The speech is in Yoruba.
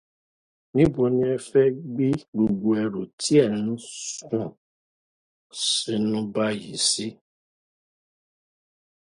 Níbo ni ẹ fẹ́ gbé gbogbo ẹrù tí ẹ̀ ń sún sínú báyìí sí?